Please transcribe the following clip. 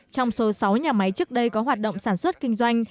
trong số sáu nhà máy trước đây có hoạt động sản xuất kinh doanh